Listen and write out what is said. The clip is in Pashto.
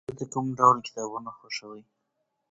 تاسې کوم ډول کتابونه خوښوئ؟